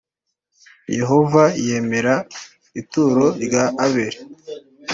Yehova yemera ituro rya Abeli